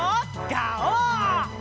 ガオー！